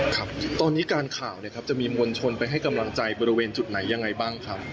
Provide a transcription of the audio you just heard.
ครับตอนนี้การข่าวเนี่ยครับจะมีมวลชนไปให้กำลังใจบริเวณจุดไหนยังไงบ้างครับ